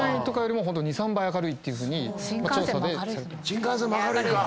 新幹線も明るいか！